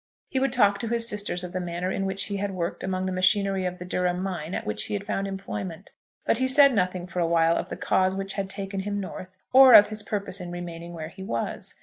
He would talk to his sisters of the manner in which he had worked among the machinery of the Durham mine at which he had found employment; but he said nothing for awhile of the cause which had taken him north, or of his purpose of remaining where he was.